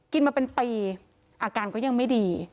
กินมาเป็นปีอาการก็ยังไม่ดี